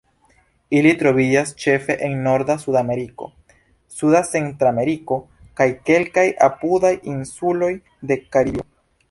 Ili troviĝas ĉefe en norda Sudameriko, suda Centrameriko, kaj kelkaj apudaj insuloj de Karibio.